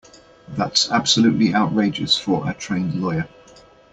That's absolutely outrageous for a trained lawyer.